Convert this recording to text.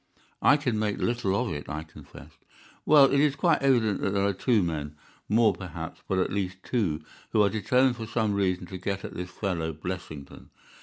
"I can make little of it," I confessed. "Well, it is quite evident that there are two men—more, perhaps, but at least two—who are determined for some reason to get at this fellow Blessington.